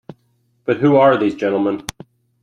But who are these gentlemen?